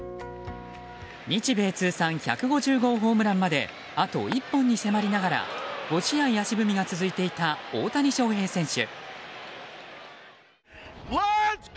日米通算１５０号ホームランまであと１本に迫りながら５試合足踏みが続いていた大谷翔平選手。